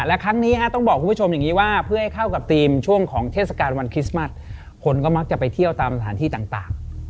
และครั้งนี้ต้องบอกคุณผู้ชมอย่างนี้ว่าเพื่อให้เข้ากับทีมช่วงของเทศกาลวันคริสต์มัสคนก็มักจะไปเที่ยวตามสถานที่ต่าง